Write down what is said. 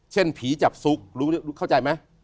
เช่นผีจับซุกเข้าใจไหม